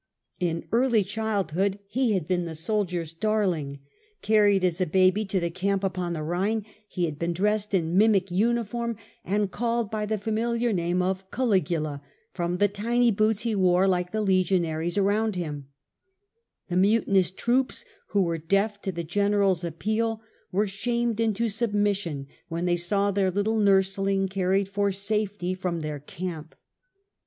In early childhood he had been the soldiers^ darling. Carried as a baby to the 72 The Earlier Evtpire, a.d. 37 41. camp upon the Rhine, he had been dressed in mimic named Cali Called by the familiar name of gulaby the Cali^ila, from the tiny boots he wore like the legionaries, legionaries around him. The mutinous troops who were deaf to the generaPs appeal were shamed into submission when they saw their little nursling carried for safety from their camp.